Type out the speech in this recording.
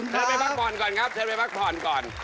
เชิญไปพักผ่อนก่อนครับเชิญไปพักผ่อนก่อน